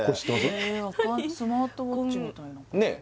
えっスマートウォッチみたいなえっ何？